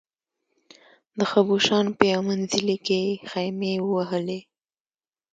د خبوشان په یو منزلي کې خېمې ووهلې.